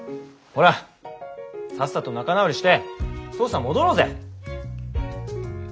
ほらさっさと仲直りして捜査戻ろうぜ。